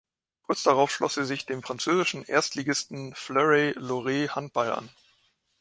Kurz darauf schloss sie sich dem französischen Erstligisten Fleury Loiret Handball an.